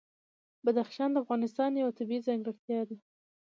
بدخشان د افغانستان یوه طبیعي ځانګړتیا ده.